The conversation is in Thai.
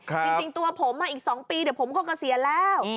จริงตัวผมอีก๒ปีเดี๋ยวผมก็เกษียณแล้ว